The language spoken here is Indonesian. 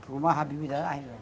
rumah habibie dan ajin